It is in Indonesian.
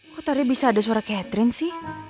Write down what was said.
kok tadi bisa ada suara catherine sih